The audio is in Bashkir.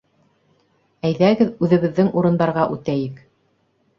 Әйҙәгеҙ, үҙебеҙҙең урындарға үтәйек